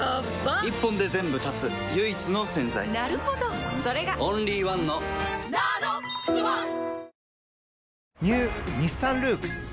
一本で全部断つ唯一の洗剤なるほどそれがオンリーワンの「ＮＡＮＯＸｏｎｅ」